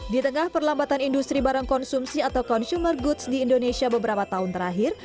di tengah perlambatan industri barang konsumsi atau consumer goods di indonesia beberapa tahun terakhir